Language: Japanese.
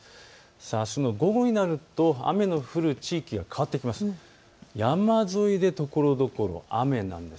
あすの午後になると雨の降る地域が変わってきます。